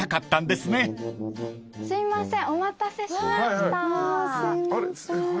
すいません。